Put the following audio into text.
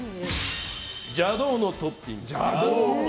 邪道のトッピング。